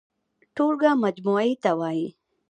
ټولګه مجموعې ته وايي.